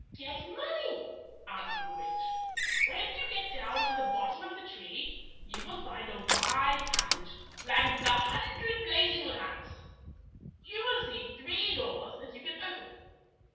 "Get money," answered the witch. "When you get down to the bottom of the tree, you will find a wide passage lighted with a hundred blaz ing lamps. You will see three doors that you can open.